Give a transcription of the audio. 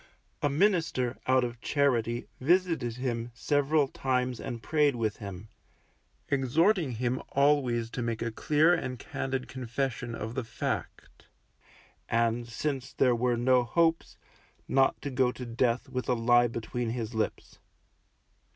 A minister, out of charity, visited him several times and prayed with him, exhorting him always to make a dear and candid confession of the fact, and, since there were no hopes, not to go to death with a lie between his lips.